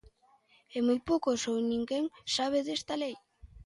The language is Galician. E moi poucos, ou ninguén, sabe desta lei.